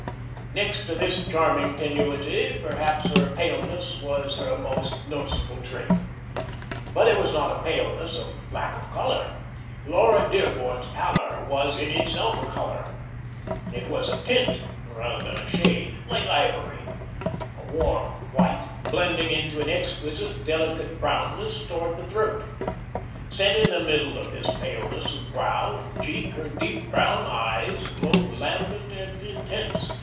Next to this charming tenuity, perhaps her paleness was her most noticeable trait. But it was not a paleness of lack of colour. Laura Dearborn's pallour was in itself a colour. It was a tint rather than a shade, like ivory; a warm white, blending into an exquisite, delicate brownness towards the throat. Set in the middle of this paleness of brow and cheek, her deep brown eyes glowed lambent and intense.